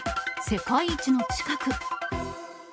世界一の近く。